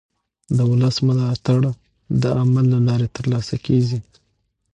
د ولس ملاتړ د عمل له لارې ترلاسه کېږي